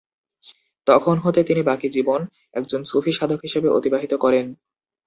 তখন হতে তিনি বাকি জীবন একজন সুফি সাধক হিসাবে অতিবাহিত করেন।